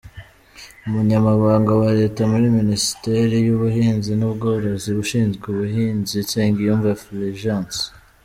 Umunyamabanga wa Leta muri Minisiteri y’Ubuhinzi n’Ubworozi ushinzwe ubuhinzi: Nsengiyumva Fulgence.